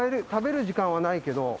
食べる時間はないけど。